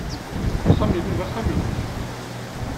Axxam-inu d axxam-nnek.